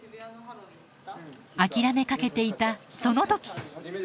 諦めかけていたその時！